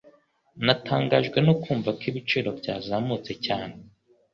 Natangajwe no kumva ko ibiciro byazamutse cyane.